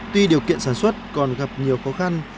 tuy điều kiện sản xuất còn gặp nhiều khó khăn